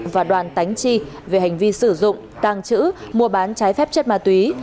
và đoàn tánh chi về hành vi sử dụng tàng trữ mua bán trái phép chất ma túy